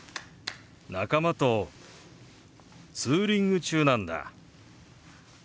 仲間とツーリング中なんだ。